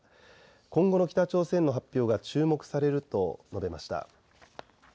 今後の北朝鮮の発表が注目されると述べました。